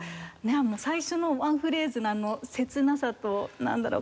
最初のワンフレーズのあの切なさとなんだろう